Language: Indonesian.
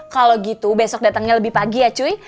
kalau gitu besok datangnya lebih pagi ya cuy